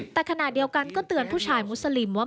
แต่ขณะเดียวกันก็เตือนผู้ชายมุสลิมว่า